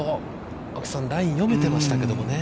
青木さん、ライン読めてましたけどね。